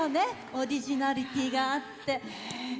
オリジナリティーがあって。